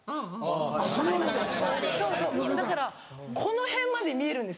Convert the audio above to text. ・あぁ・そうそうだからこの辺まで見えるんですよ。